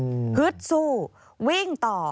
อื้อฮึดสู้วิ่งต่อ